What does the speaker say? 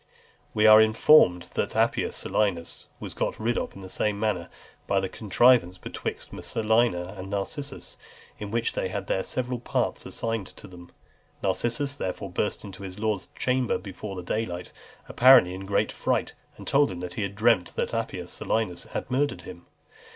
We are informed, that Appius Silanus was got rid of in the same manner, by a contrivance betwixt Messalina and Narcissus, in which they had their several parts assigned them. Narcissus therefore burst into his lord's chamber before daylight, apparently in great fright, and told him that he had dreamt that Appius Silanus had murdered him.